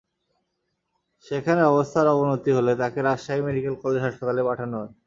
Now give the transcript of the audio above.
সেখানে অবস্থার অবনতি হলে তাঁকে রাজশাহী মেডিকেল কলেজ হাসপাতালে পাঠানো হয়।